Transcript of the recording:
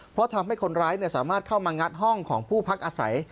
เพราะทำให้คนร้ายสามารถเข้ามางัดห้องของผู้พักอาศัย